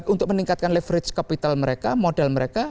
untuk meningkatkan leverage capital mereka modal mereka